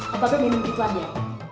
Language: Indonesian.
apakah minum gitu aja